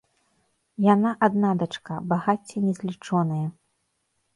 Яна адна дачка, багацце незлічонае.